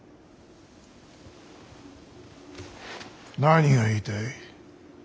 何が言いたい。